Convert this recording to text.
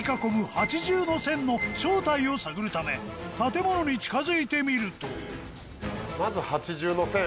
８重の線の正体を探るため建物に近づいてみるとまず８重の線。